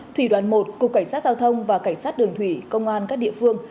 thủy đoàn một cục cảnh sát giao thông và cảnh sát đường thủy công an các địa phương